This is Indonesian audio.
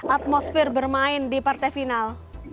atmosfer bermain di partai final